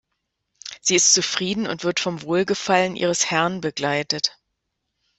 Sie ist zufrieden und wird vom Wohlgefallen ihres Herrn begleitet.